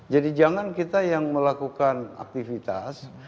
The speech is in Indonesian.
jadi jangan kita yang melakukan aktivitas